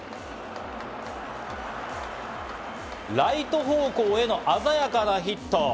ライト方向への鮮やかなヒット。